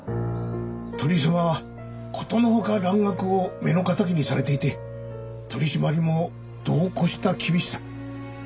鳥居様は殊の外蘭学を目の敵にされていて取締りも度を超した厳しさ。